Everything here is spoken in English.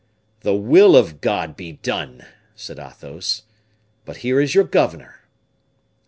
"The will of God be done!" said Athos, "but here is your governor."